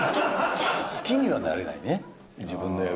好きにはなれないね、自分の役。